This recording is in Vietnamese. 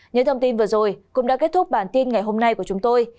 những thông tin vừa rồi cũng đã kết thúc bản tin ngày hôm nay của chúng tôi